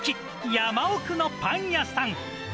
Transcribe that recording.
山奥のパン屋さん。